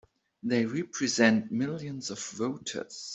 They represent millions of voters!